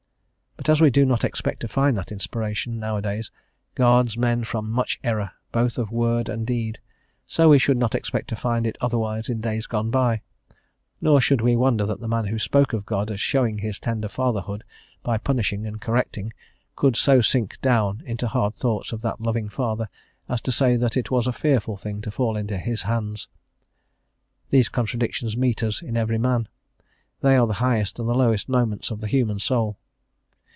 But as we do not expect to find that inspiration, now a days, guards men from much error, both of word and deed, so we should not expect to find it otherwise in days gone by; nor should we wonder that the man who spoke of God as showing His tender fatherhood by punishing and correcting, could so sink down into hard thoughts of that loving Father as to say that it was a fearful thing to fall into His hands. These contradictions meet us in every man; they are the highest and the lowest moments of the human soul.